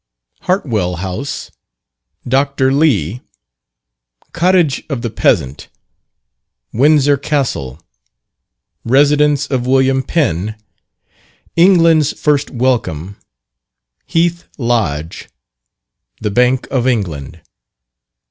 Hartwell House Dr. Lee Cottage of the Peasant Windsor Castle Residence of Wm. Penn England's First Welcome Heath Lodge The Bank of England.